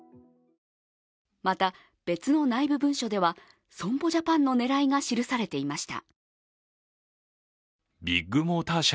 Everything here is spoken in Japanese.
また、別の内部文書では、損保ジャパンの狙いが記されていました。